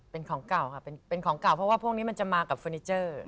เพราะว่าพวกนี้จะมากับฟุนิเจอร์